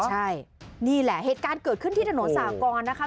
ใช่นี่แหละเหตุการณ์เกิดขึ้นที่ถนนสากรนะคะ